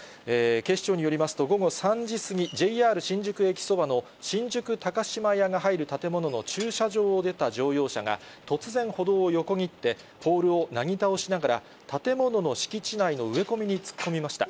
警視庁によりますと、午後３時過ぎ、ＪＲ新宿駅そばの新宿高島屋が入る建物の駐車場を出た乗用車が、突然、歩道を横切って、ポールをなぎ倒しながら、建物の敷地内の植え込みに突っ込みました。